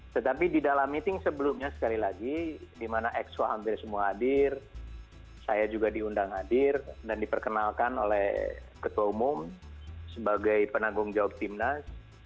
tetapi di dalam meeting sebelumnya sekali lagi di mana exco hampir semua hadir saya juga diundang hadir dan diperkenalkan oleh ketua umum sebagai penanggung jawab timnas